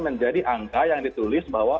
menjadi angka yang ditulis bahwa